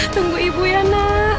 tunggu ibu ya nak